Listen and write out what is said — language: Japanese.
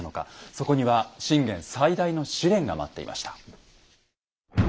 そこには信玄最大の試練が待っていました。